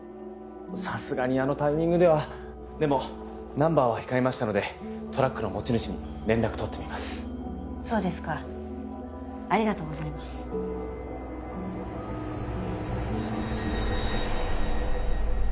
さすがにあのタイミングではでもナンバーは控えましたのでトラックの持ち主に連絡取ってみますそうですかありがとうございますうん？